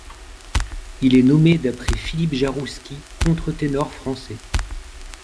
Il est nommé d'après Philippe Jaroussky, contreténor français.